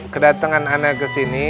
kedatengan anda kesini